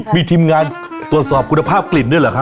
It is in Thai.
มีทีมงานตรวจสอบคุณภาพกลิ่นด้วยเหรอครับ